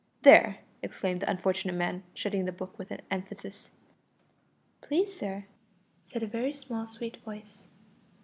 "There!" exclaimed the unfortunate man, shutting the book with emphasis. "Please, sir," said a very small sweet voice.